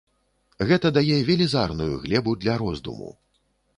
Гэта дае велізарную глебу для роздуму.